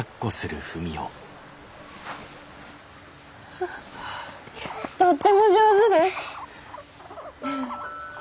とっても上手です。